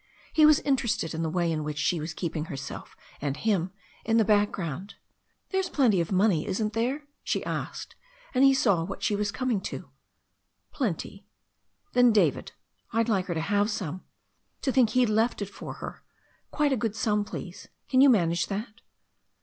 He was inter ested in the way in which she was keeping herself and him in the background. "There's plenty of money, isn't there?" she asked, and he saw what she was coming to. "Plenty." "Then, David, I'd like her to have some, to think he left it to her, quite a good sum, please. Can you manage that?"